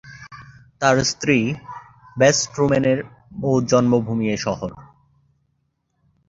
তার স্ত্রী বেস ট্রুম্যানের-ও জন্মভূমি এ শহর।